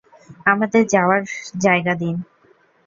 আমাদের যাওয়ার জায়গা দিন।